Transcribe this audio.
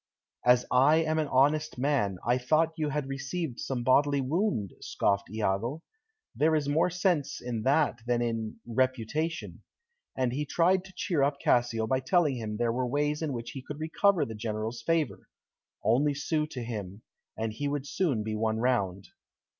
"As I am an honest man, I thought you had received some bodily wound," scoffed Iago. "There is more sense in that than in 'reputation.'" And he tried to cheer up Cassio by telling him there were ways in which he could recover the General's favour, only sue to him, and he would soon be won round.